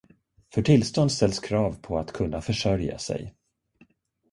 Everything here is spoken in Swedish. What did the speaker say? För tillstånd ställs krav på att kunna försörja sig.